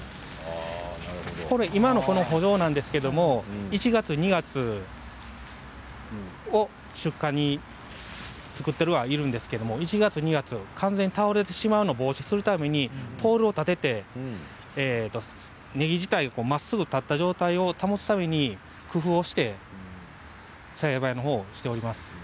今の補助なんですけど１月、２月出荷に作っているんですが１月２月に完全に倒れてしまうのを防止するためにポールを立ててねぎ自体まっすぐ立った状態を保つために工夫をして栽培をしております。